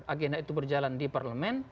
agenda itu berjalan di parlemen